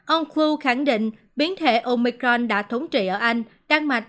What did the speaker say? ông fu khẳng định biến thể omicron đã thống trị ở anh đan mạch